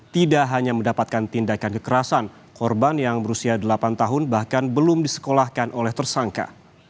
tidak hanya mendapatkan tindakan kekerasan korban yang berusia delapan tahun bahkan belum disekolahkan oleh tersangka